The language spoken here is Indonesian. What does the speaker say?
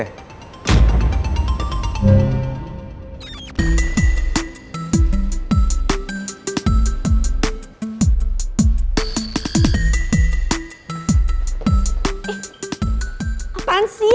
eh apaan sih